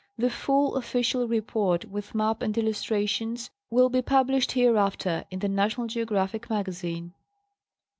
The full official report with map and illustrations will be published hereafter in the National Geo graphic Magazine.